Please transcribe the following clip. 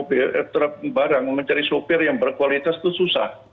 tapi kalau kita tidak pernah mencari barang mencari sopir yang berkualitas itu susah